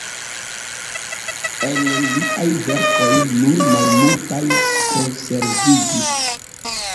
El liaj verkoj nur malmultaj konserviĝis.